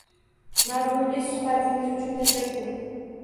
Mazmunli suhbatingiz uchun tashakkur!